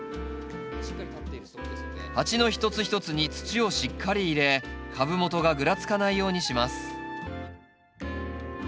鉢の一つ一つに土をしっかり入れ株元がぐらつかないようにします。